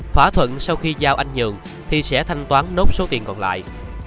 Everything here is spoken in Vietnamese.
thỏa thuận sau khi giao anh nhường thì sẽ thanh toán nốt số tiền còn lại